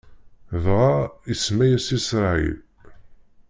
Dɣa, isemma-yas Isṛayil.